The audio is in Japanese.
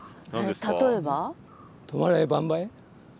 例えば？